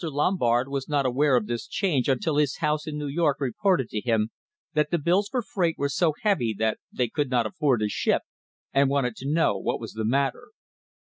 Lombard was not aware of this change until his house in New York reported to him that the bills for freight were so heavy that they could not afford to ship and wanted to know what was the matter.